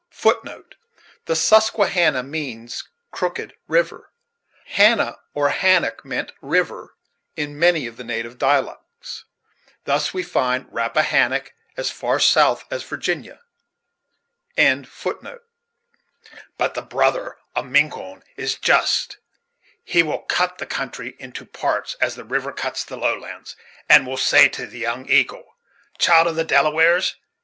* The Susquehannah means crooked river; "hannah," or "hannock," meant river in many of the native dialects. Thus we find Rappahannock as far south as Virginia. "But the brother of Miquon is just; he will cut the country in two parts, as the river cuts the lowlands, and will say to the 'Young Eagle,' 'Child of the Delawares!